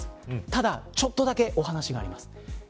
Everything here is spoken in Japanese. ただ、ちょっとだけお話があります。